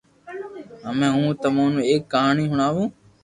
ھمي ھو تمو نو ايڪ ڪھاني ھڻاووُ